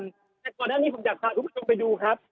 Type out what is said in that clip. แต่ก่อนหน้านี้ผมอยากพาคุณผู้ชมไปดูครับ